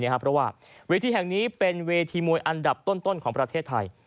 เพราะว่าเวทีแห่งนี้เป็นเวทีมวยอันดับต้นของประเทศไทย